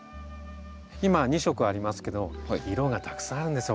今２色ありますけど色がたくさんあるんですよ